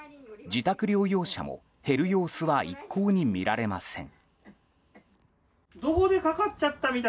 自宅療養者も、減る様子は一向に見られません。